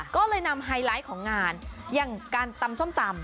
ก็เลยนำไฮไลท์ของงานอย่างการตำส้มตำ